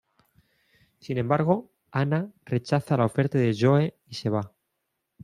Sin embargo, Anna rechaza la oferta de Joe y se va.